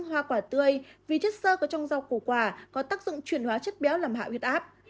hoa quả tươi vì chất sơ có trong rau củ quả có tác dụng chuyển hóa chất béo làm hạ huyết áp